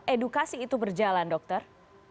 edukasi itu berjalan dokter